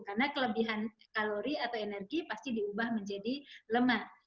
karena kelebihan kalori atau energi pasti diubah menjadi lemak